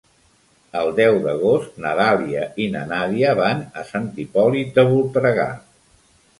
El deu d'agost na Dàlia i na Nàdia van a Sant Hipòlit de Voltregà.